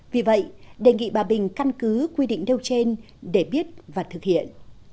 vì vậy đề nghị bà bình căn cứ quy định đâu trên để biết và thực hiện